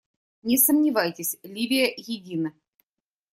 Не сомневайтесь, Ливия едина.